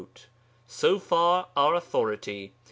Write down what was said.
So far our authority.